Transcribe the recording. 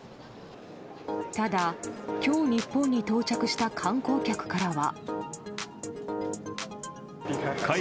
ただ、今日日本に到着した観光客からは。